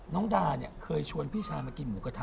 ดาเนี่ยเคยชวนพี่ชายมากินหมูกระทะ